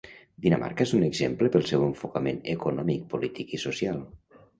Dinamarca és un exemple pel seu enfocament econòmic, polític i social.